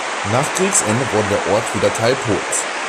Nach Kriegsende wurde der Ort wieder Teil Polens.